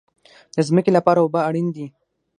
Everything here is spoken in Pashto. د ځمکې لپاره اوبه اړین دي